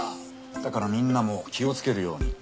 だからみんなも気をつけるように。